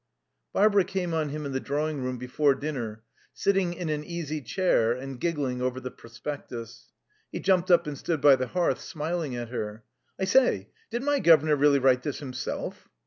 Barbara came on him in the drawing room before dinner, sitting in an easy chair and giggling over the prospectus. He jumped up and stood by the hearth, smiling at her. "I say, did my guv'nor really write this himself?"